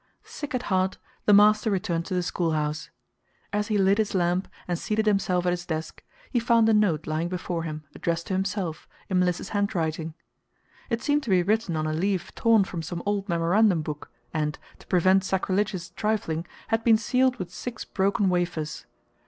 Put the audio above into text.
Sick at heart, the master returned to the schoolhouse. As he lit his lamp and seated himself at his desk, he found a note lying before him addressed to himself, in Mliss's handwriting. It seemed to be written on a leaf torn from some old memorandum book, and, to prevent sacrilegious trifling, had been sealed with six broken wafers.